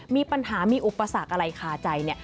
มีปัญหามีอุปสรรคอะไรคาใจ